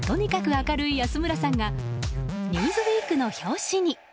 明るい安村さんが「ニューズウィーク」の表紙に。